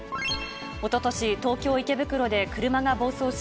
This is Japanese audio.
おととし、東京・池袋で車が暴走し、